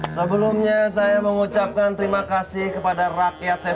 sebelumnya saya mengucapkan terima kasih kepada rakyat